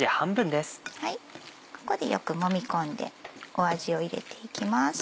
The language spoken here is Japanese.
ここでよくもみ込んで味を入れていきます。